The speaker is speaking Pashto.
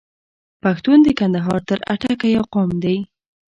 پښتون د کندهار نه تر اټکه یو قوم دی.